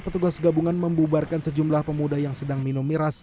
petugas gabungan membubarkan sejumlah pemuda yang sedang minum miras